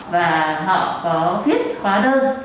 và họ có viết hóa đơn